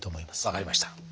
分かりました。